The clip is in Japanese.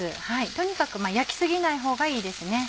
とにかく焼き過ぎない方がいいですね。